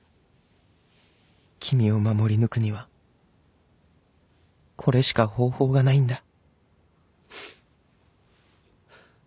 君を守り抜くにはこれしか方法がないんだ